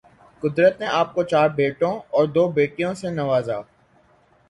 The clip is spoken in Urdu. قدرت نے آپ کو چار بیٹوں اور دو بیٹیوں سے نوازا